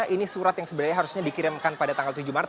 ini surat yang sebenarnya harusnya dikirimkan pada tanggal tujuh maret